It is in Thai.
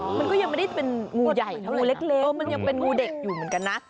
มันก็ยังไม่ได้เป็นงูใหญ่นะงูเล็กมันยังเป็นงูเด็กอยู่เหมือนกันนะ